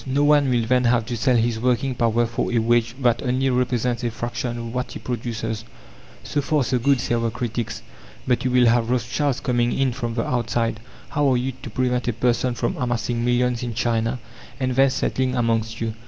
No one will then have to sell his working power for a wage that only represents a fraction of what he produces. "So far, so good," say our critics, "but you will have Rothschilds coming in from the outside. How are you to prevent a person from amassing millions in China, and then settling amongst you?